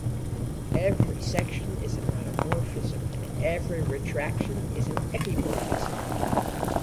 Every section is a monomorphism, and every retraction is an epimorphism.